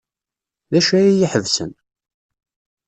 D acu ay iyi-iḥebsen?